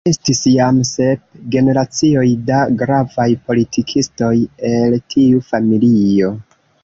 Estis jam sep generacioj da gravaj politikistoj el tiu familio.